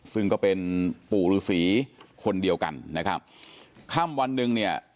ซึ่งก็เป็นปู่ฤษีคนเดียวกันนะครับค่ำวันหนึ่งเนี่ย